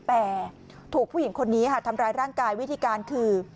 แต่ถูกผู้หญิงคนนี้ค่ะทำร้ายร่างกายวิธีการคือ